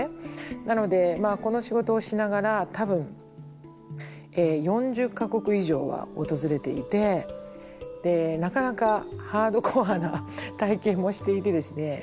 なのでこの仕事をしながら多分４０か国以上は訪れていてなかなかハードコアな体験もしていてですね